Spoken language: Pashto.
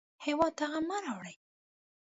هېواد ته غم مه راوړئ